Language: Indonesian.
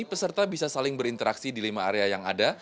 peserta bisa saling berinteraksi di lima area yang ada